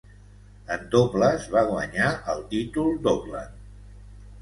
En dobles va guanyar el títol d'Auckland.